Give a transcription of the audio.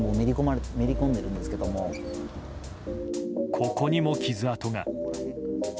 ここにも傷痕が。